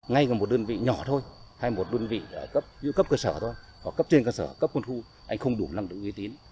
ngay cả một đơn vị nhỏ thôi hay một đơn vị cấp cơ sở thôi hoặc cấp trên cơ sở cấp quân khu anh không đủ năng lực uy tín